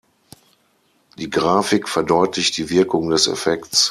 Die Grafik verdeutlicht die Wirkung des Effekts.